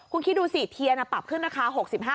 คุณคิดดูสิเทียนปรับขึ้นราคา๖๕